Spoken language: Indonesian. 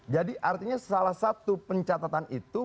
jadi artinya salah satu pencatatan itu